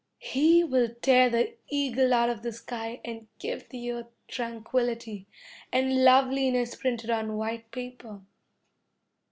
He will tear the eagle out of the sky and give the earth tranquillity, and loveliness printed on white paper.